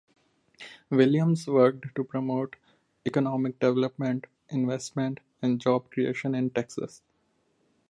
Williams worked to promote economic development, investment, and job creation in Texas.